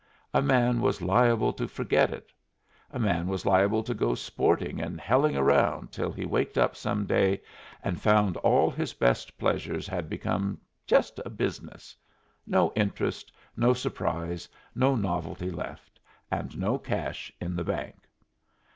A man was liable to forget it. A man was liable to go sporting and helling around till he waked up some day and found all his best pleasures had become just a business. No interest, no surprise, no novelty left, and no cash in the bank.